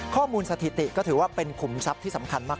สถิติก็ถือว่าเป็นขุมทรัพย์ที่สำคัญมาก